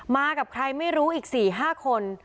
มากับใครไม่รู้อีกสี่ห้าคน